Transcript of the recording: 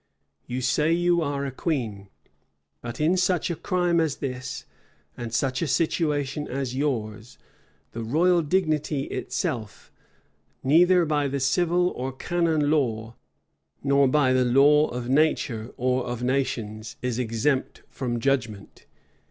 You say you are a queen; but, in such a crime as this, and such a situation as yours, the royal dignity itself, neither by the civil or canon law, nor by the law of nature or of nations, is exempt from judgment.